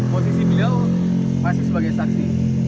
posisi beliau masih sebagai saksi